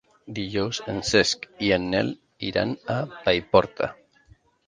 Dijous en Cesc i en Nel iran a Paiporta.